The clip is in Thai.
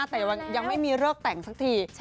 ตั้งแต่วันนี้ยังไม่มีเริ่มแต่งสักที